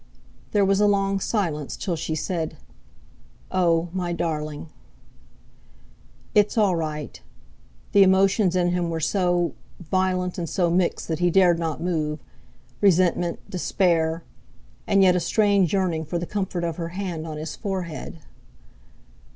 There was a long silence, till she said: "Oh! my darling!" "It's all right." The emotions in him were so, violent and so mixed that he dared not move—resentment, despair, and yet a strange yearning for the comfort of her hand on his forehead.